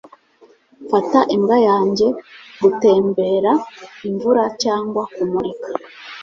Mfata imbwa yanjye gutembera, imvura cyangwa kumurika.